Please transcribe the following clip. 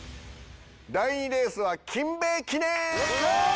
第２レースは金兵衛記念！